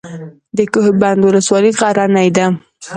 د کوه بند ولسوالۍ غرنۍ ده